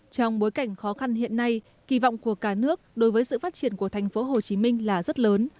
trong bối cảnh khó khăn hiện nay kỳ vọng của cả nước đối với sự phát triển của tp hcm là rất lớn